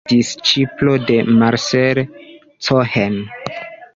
Disĉiplo de Marcel Cohen.